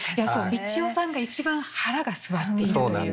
三千代さんが一番腹が据わっているというか。